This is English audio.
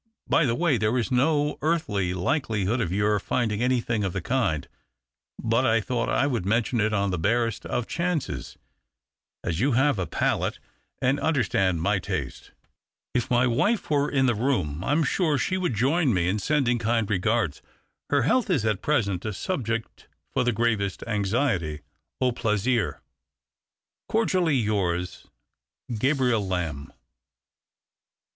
3y the way, there is no earthly likelihood of ^our finding anything of the kind, but I thought I would mention it on the liarest of jhances, as you have a palate and understand □ay taste. " If my wife were in the room, I am sure she would join me in sending kind regards. Her health is at present a subject for the gravest anxiety. Au plaisir. " Cordially yours, " Gabriel Lamb."